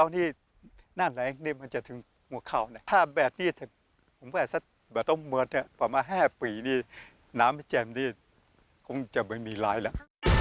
ดีน้ำแม่แจ่มนี่คงจะไม่มีร้ายแล้ว